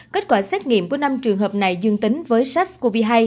kết quả xét nghiệm của năm trường hợp này dương tính với sars cov hai